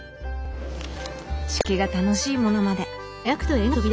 仕掛けが楽しいものまで。